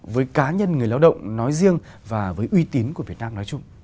với cá nhân người lao động nói riêng và với uy tín của việt nam nói chung